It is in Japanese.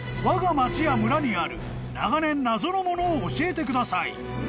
［わが街や村にある長年謎のものを教えてください］